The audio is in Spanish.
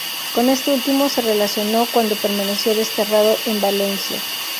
Con este último se relacionó cuando permaneció desterrado en Valencia.